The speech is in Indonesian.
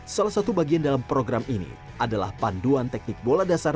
salah satu bagian dalam program ini adalah panduan teknik bola dasar